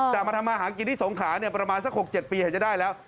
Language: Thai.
แต่มาทำมาหากินที่สงขลาประมาณสัก๖๗ปีเห็นจะได้แล้ว